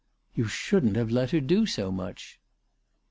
" You shouldn't have let her do so much."